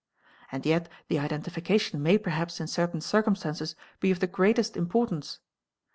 And yet the identification may perhaps in certain circumstances be of the greatest importance "®.